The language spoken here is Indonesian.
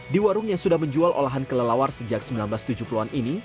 di warung yang sudah menjual olahan kelelawar sejak seribu sembilan ratus tujuh puluh an ini